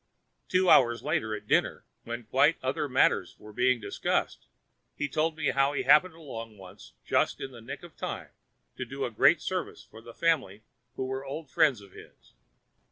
Two hours later, at dinner, when quite other matters were being discussed, he told how he happened along once just in the nick of time to do a great service for a family who were old friends of his.